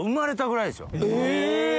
え！